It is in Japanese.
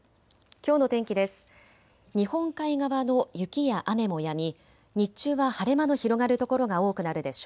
きょうの天気です。